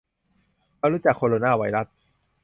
มารู้จักโคโรนาไวรัส